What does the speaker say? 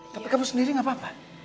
tapi kamu sendiri gak apa apa